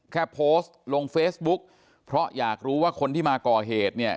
แค่โพสต์ลงเฟซบุ๊กเพราะอยากรู้ว่าคนที่มาก่อเหตุเนี่ย